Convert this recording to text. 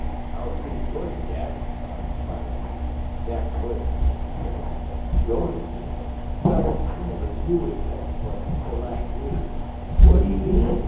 "How are things going, Jack?" Bob inquired next. Jack's voice became excited. "Going?" he answered. "Fellows, I never knew what excitement was until this last week." "What do you mean?"